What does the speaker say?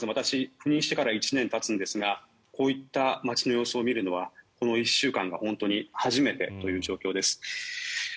私、赴任してから１年たつんですがこういった街の様子を見るのはこの１週間が本当に初めてという状況です。